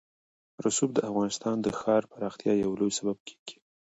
رسوب د افغانستان د ښاري پراختیا یو لوی سبب کېږي.